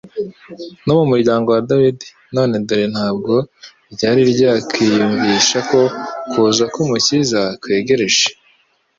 no mu muryango wa Dawidi, none dore ntabwo ryari ryakwiyumvisha ko kuza k’umukiza kwegereje.